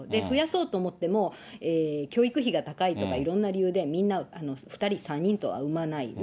増やそうと思っても、教育費が高いとか、いろんな理由で、みんな、２人、３人とは産まない。